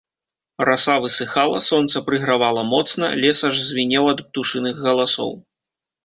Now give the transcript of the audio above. Раса высыхала, сонца прыгравала моцна, лес аж звінеў ад птушыных галасоў.